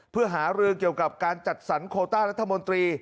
เพื่อหารือเกี่ยวกับการจัดสรรโคต้ารัฐมนตรี